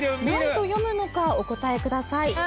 何と読むのかお答えください。